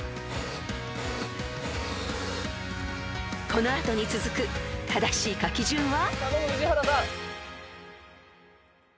［この後に続く正しい書き順は？］